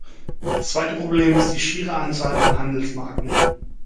Das zweite Problem ist die schiere Anzahl von Handelsmarken.